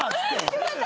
よかった。